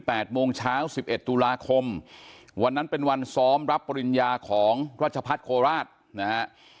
โมงเช้าสิบเอ็ดตุลาคมวันนั้นเป็นวันซ้อมรับปริญญาของราชพัฒน์โคราชนะฮะ